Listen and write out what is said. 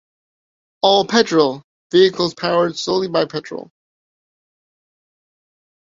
All Petrol - Vehicles powered solely by petrol.